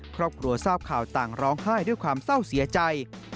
ครอบครัวทราบข่าวต่างร้องไห้ด้วยความเศร้าเสียใจ